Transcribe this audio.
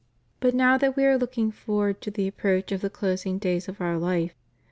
But now that We are looking forward to the approach of the closing days of Our fife.